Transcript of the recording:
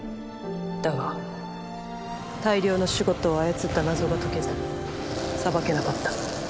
だが大量のシュゴッドを操った謎が解けず裁けなかった。